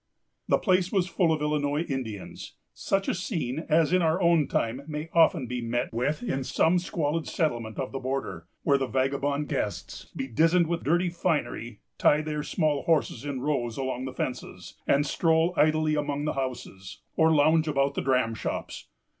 The place was full of Illinois Indians; such a scene as in our own time may often be met with in some squalid settlement of the border, where the vagabond guests, bedizened with dirty finery, tie their small horses in rows along the fences, and stroll idly among the houses, or lounge about the dramshops.